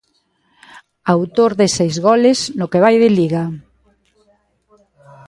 Autor de seis goles no que vai de Liga.